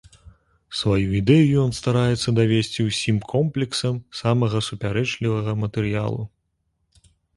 Сваю ідэю ён стараецца давесці ўсім комплексам самага супярэчлівага матэрыялу.